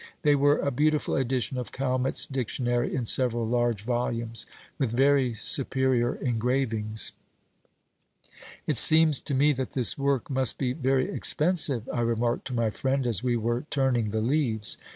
They were a beautiful edition of Calmet's Dictionary, in several large volumes, with very superior engravings. "It seems to me that this work must be very expensive," I remarked to my friend, as we were turning the leaves.